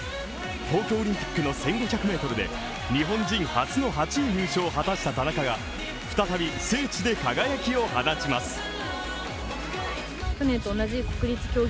東京オリンピックの１５００ｍで、日本人初の８位入賞を果たした田中が再び、聖地で輝きを放ちます。